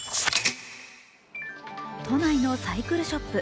都内のサイクルショップ。